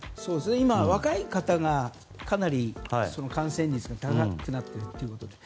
今、若い方がかなり感染率が高くなっているということで。